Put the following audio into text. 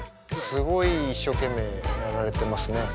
すごい一生懸命やられてますね。